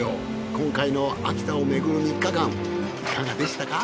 今回の秋田をめぐる３日間いかがでしたか？